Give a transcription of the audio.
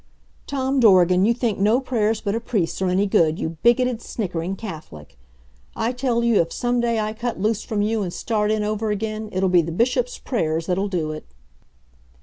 Tom Dorgan, you think no prayers but a priest's are any good, you bigoted, snickering Catholic! I tell you if some day I cut loose from you and start in over again, it'll be the Bishop's prayers that'll do it.